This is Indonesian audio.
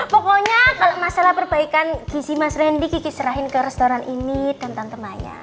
pokoknya kalau masalah perbaikan gizi mas lendy kiki serahin ke restoran ini dan tante maya